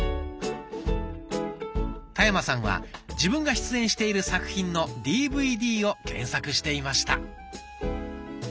田山さんは自分が出演している作品のＤＶＤを検索していました。